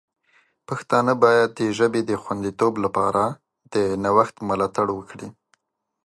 پښتانه باید د ژبې د خوندیتوب لپاره د نوښت ملاتړ وکړي.